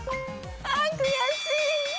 ああ悔しい！